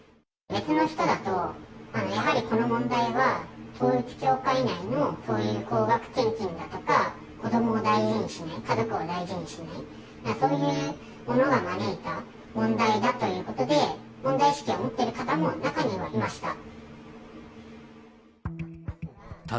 別の人だと、やはりこの問題は、統一教会内のそういう高額献金だとか、子どもを大事にしない、家族を大事にしない、そういうものが招いた問題だということで、問題意識を持ってる方も中にはいました。